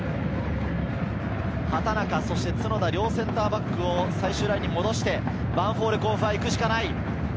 畠中、そして角田、両センターバックを最終ラインに戻して、ヴァンフォーレ甲府は行くしかない。